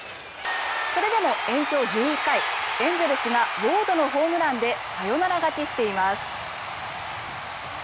それでも延長１１回エンゼルスがウォードのホームランでサヨナラ勝ちしています。